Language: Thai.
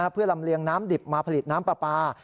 เพื่อลำเลียงน้ำดิบมาผลิตน้ำปลาปลา